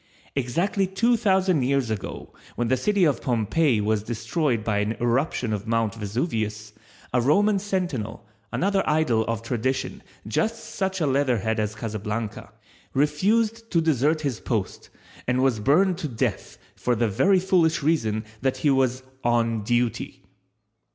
Exactly two thousand years ago when the city of Pompeii was destroyed by an eruption of Mount Vesuvius, a Roman sentinel, another idol of tradition just such a leatherhead as Casablanca, refused to desert his post and was burned to death for the very foolish reason that he was "on duty."